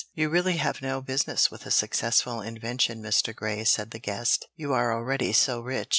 "You really have no business with a successful invention, Mr. Grey," said the guest "you who are already so rich."